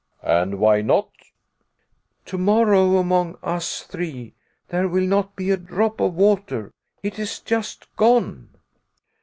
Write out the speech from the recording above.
"And why not?" "Tomorrow, among us three, there will not be a drop of water. It is just gone."